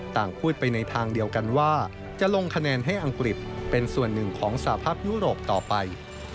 ต่างพูดไปในทางเดียวกันว่าจะลงคะแนนให้อังกฤษเป็นส่วนหนึ่งของสภาพยุโรปต่อไป